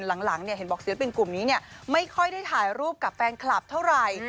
หลังเห็นบอกศิลปินกลุ่มนี้ไม่ค่อยได้ถ่ายรูปกับแฟนคลับเท่าไหร่